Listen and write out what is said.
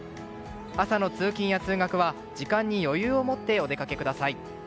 朝の通勤や通学は時間に余裕をもってお出かけください。